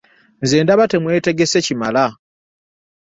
Nze ndaba temwetegese kimala.